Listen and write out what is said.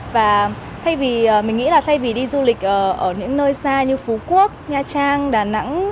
và thay vì mình nghĩ là thay vì đi du lịch ở những nơi xa như phú quốc nha trang đà nẵng